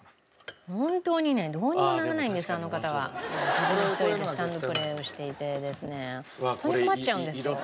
自分１人でスタンドプレーをしていてですねホント困っちゃうんですよ。